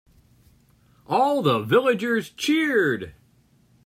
All the villagers cheered.